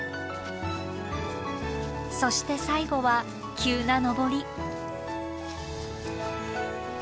そして最後は急な登り。